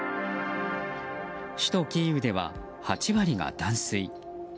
首都キーウでは８割が断水。